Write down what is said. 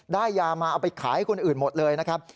ยามาเอาไปขายให้คนอื่นหมดเลยนะครับ